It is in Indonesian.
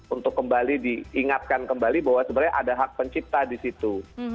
untuk kembali diingatkan kembali bahwa sebenarnya ada hak pencipta di situ